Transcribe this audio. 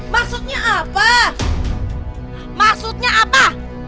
maksudnya apa maksudnya apa